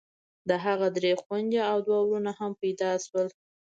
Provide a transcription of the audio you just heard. د هغه درې خويندې او دوه ورونه هم پيدا سول.